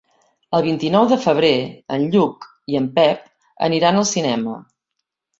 El vint-i-nou de febrer en Lluc i en Pep aniran al cinema.